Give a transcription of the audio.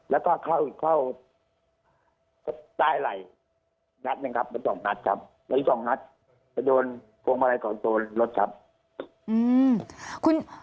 แล้วก็เข้าใต้ใต้ในด้วย